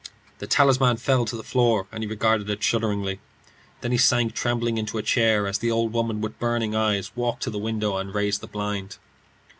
The talisman fell to the floor, and he regarded it fearfully. Then he sank trembling into a chair as the old woman, with burning eyes, walked to the window and raised the blind.